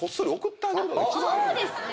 そうですね！